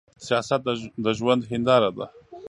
سياست د ژوند هينداره ده.